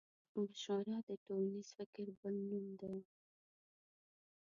مشوره د ټولنيز فکر بل نوم دی.